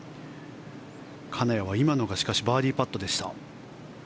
金谷は今のがしかしバーディーパットでした。